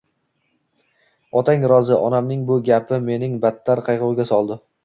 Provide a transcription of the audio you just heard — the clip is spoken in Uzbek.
Otang rozi, onamning bu gaplari meni battar qayg`uga soldi